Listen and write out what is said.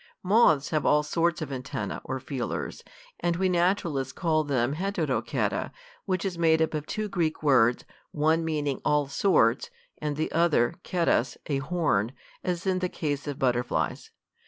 "Moths have all sorts of antennæ, or feelers, and we naturalists call them heterocera, which is made up of two Greek words, one meaning 'all sorts,' and the other (keras) a horn, as in the case of butterflies.